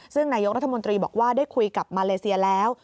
ซึ่งนายกรัฐมนตรีบอกว่าได้คุยกับมาเลเซียแล้ว